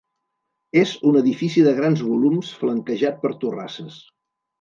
És un edifici de grans volums flanquejat per torrasses.